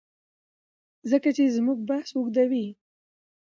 ځکه چي زموږ بحث اوږديوي